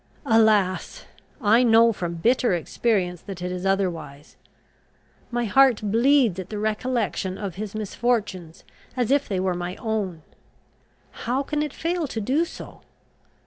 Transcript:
Alas! I know from bitter experience that it is otherwise. My heart bleeds at the recollection of his misfortunes, as if they were my own. How can it fail to do so?